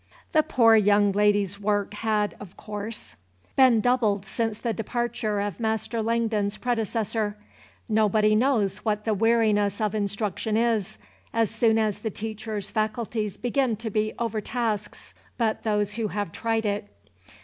The poor young lady's work had, of course, been doubled since the departure of Master Langdon's predecessor. Nobody knows what the weariness of instruction is, as soon as the teacher's faculties begin to be overtasked, but those who have tried it.